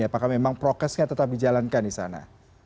apakah memang prokesnya tetap dijalankan di sana